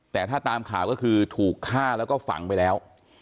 แต่ถ้าตามข่าวก็คือถูกฆ่าแล้วก็ฝังไปแล้ว